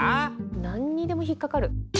何にでも引っかかる。